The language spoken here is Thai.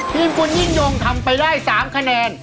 ทีมคุณยิ่งยงทำไปได้๓คะแนน